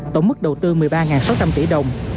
tổng mức đầu tư một mươi ba sáu trăm linh tỷ đồng